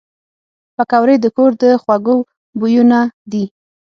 پکورې د کور د خوږو بویونه دي